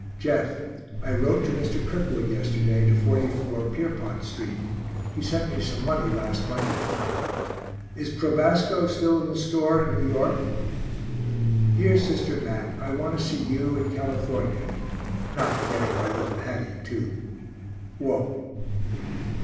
Jeff, I wrote to Mr. Kirkwood yesterday to 44 Pierrepont st. He sent me some money last Monday. Is Probasco still in the store in N. Y.? Dear sister Mat, I quite want to see you and California, not forgetting my little Hattie, too. WALT.